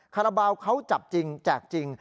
คาราบาลเขาจับจริงแจกจริง